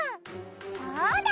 そうだ！